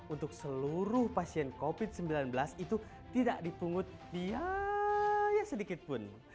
untuk seluruh pasien covid sembilan belas itu tidak dipungut biaya sedikit pun